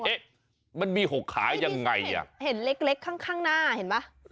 เอ๊ะมันมี๖ขายังไงอ่ะไม่ดีเห็นเล็กข้างหน้าเห็นป่ะ